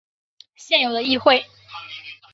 现有的议会。